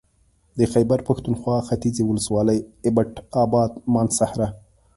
د خېبر پښتونخوا ختيځې ولسوالۍ اېبټ اباد مانسهره